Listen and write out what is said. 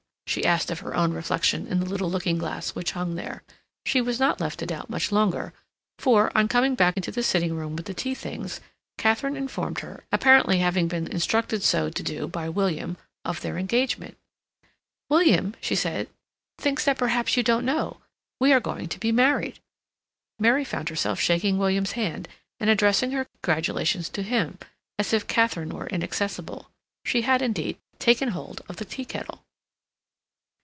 she asked of her own reflection in the little looking glass which hung there. She was not left to doubt much longer, for, on coming back into the sitting room with the tea things, Katharine informed her, apparently having been instructed so to do by William, of their engagement. "William," she said, "thinks that perhaps you don't know. We are going to be married." Mary found herself shaking William's hand, and addressing her congratulations to him, as if Katharine were inaccessible; she had, indeed, taken hold of the tea kettle.